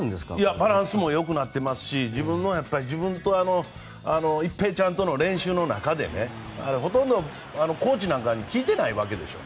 バランスもよくなっていますし自分と一平ちゃんとの練習の中でほとんどコーチなんかに聞いてないわけでしょう。